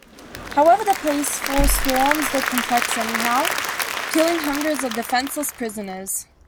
However, the police force storms the complex anyhow, killing hundreds of defenseless prisoners.